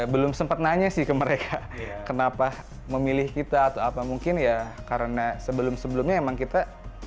belum sempat nanya sih ke mereka kenapa memilih kita atau apa mungkin ya karena sebelum sebelumnya emang kita